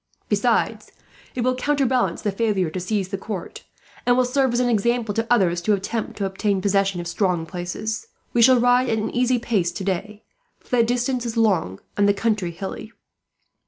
Besides, it will counterbalance the failure to seize the court, and will serve as an example, to others, to attempt to obtain possession of strong places. "We shall ride at an easy pace today, for the distance is long and the country hilly.